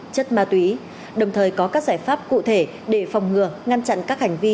chất ma túy đồng thời có các giải pháp cụ thể để phòng ngừa ngăn chặn các hành vi